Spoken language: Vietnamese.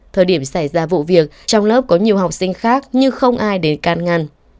thời điểm xảy ra vụ việc trong lớp có nhiều học sinh khác nhưng không ai đến can ngăn